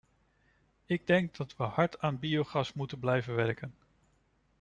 Ik denk dat we hard aan biogas moeten blijven werken.